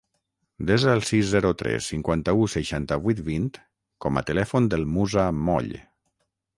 Desa el sis, zero, tres, cinquanta-u, seixanta-vuit, vint com a telèfon del Musa Moll.